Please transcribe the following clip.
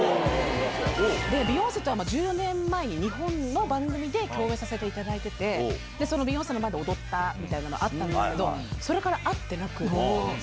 で、ビヨンセとは１４年前に、日本の番組で共演させていただいてて、そのビヨンセの前で踊ったみたいなのがあったんだけど、それから会ってなくって。